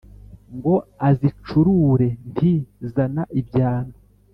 ngo azicurure nti :« zana ibyano,